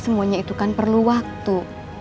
semuanya itu kan perlu waktu